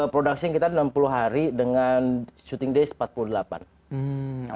production kita enam puluh hari dengan syuting days empat puluh delapan